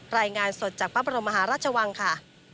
รายงานสดจากพระบรมมหาราชวังค่ะ